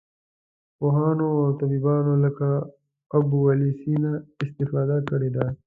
پوهانو او طبیبانو لکه ابوعلي سینا استفاده کړې ده.